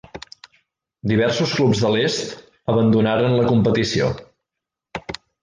Diversos clubs de l'est abandonaren la competició.